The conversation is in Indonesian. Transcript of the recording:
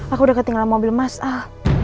aku udah ketinggalan mobil mas al